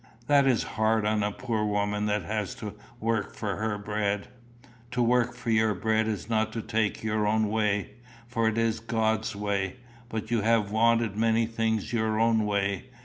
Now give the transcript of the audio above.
"That is hard on a poor woman that has to work for her bread." "To work for your bread is not to take your own way, for it is God's way. But you have wanted many things your own way.